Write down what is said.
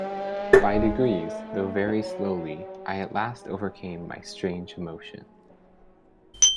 By degrees, though very slowly, I at last overcame my strange emotion.